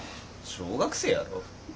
小学生やろ？